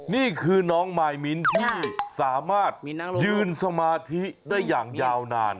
นี่คือน้องมายมิ้นที่สามารถยืนสมาธิได้อย่างยาวนาน